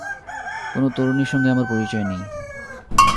কোনো তরুণীর সঙ্গে আমার পরিচয় নেই।